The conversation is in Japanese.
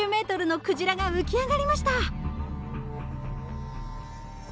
５０ｍのクジラが浮き上がりました。